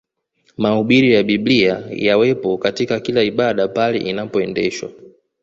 Mahubiri ya Biblia yawepo katika kila ibada pale inapoendeshwa